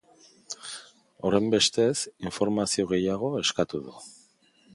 Horrenbestez, informazio gehiago eskatu du.